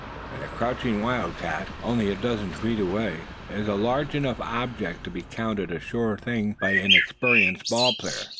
And a crouching wildcat, only a dozen feet away, is a large enough object to be counted a sure thing by an experienced ball player.